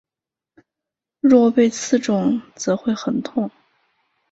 若被刺中则会很痛。